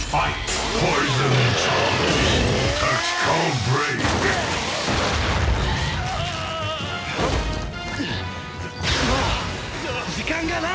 もう時間がない！